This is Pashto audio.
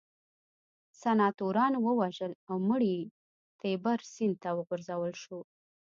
سناتورانو ووژل او مړی یې تیبر سیند ته وغورځول شو